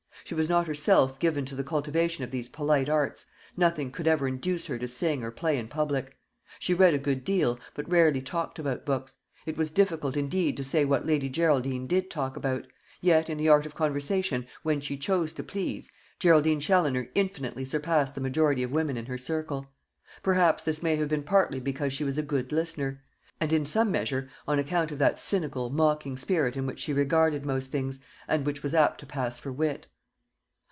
She was not herself given to the cultivation of these polite arts nothing could ever induce her to sing or play in public. She read a good deal, but rarely talked about books it was difficult indeed to say what Lady Geraldine did talk about yet in the art of conversation, when she chose to please, Geraldine Challoner infinitely surpassed the majority of women in her circle. Perhaps this may have been partly because she was a good listener; and, in some measure, on account of that cynical, mocking spirit in which she regarded most things, and which was apt to pass for wit.